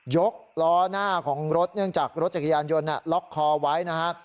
ล้อหน้าของรถเนื่องจากรถจักรยานยนต์ล็อกคอไว้นะฮะ